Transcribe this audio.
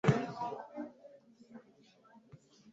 kugira icyo nkorera ubwanjye kugirango mpindure